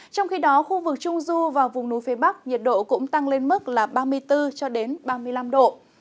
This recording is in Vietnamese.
trong khi đó khu vực trung du và vùng núi phía bắc nhiệt độ cũng tăng lên mức là ba mươi bốn ba mươi năm độ